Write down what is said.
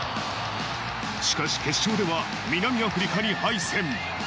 しかし決勝では南アフリカに敗戦。